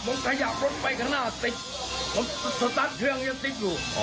ผมขยับรถไปข้างหน้าติดผมสตาร์ทเครื่องยังติดอยู่